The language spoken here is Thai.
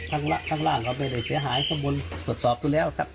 ข้างล่างเราไม่ได้เสียหายข้างบนตรวจสอบดูแล้วครับ